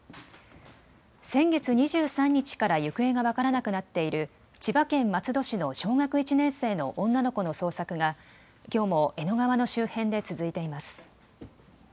先月２３日から行方が分からなくなっている千葉県松戸市の小学１年生の女の子の捜索が、きょうも江戸川の周辺で続いています。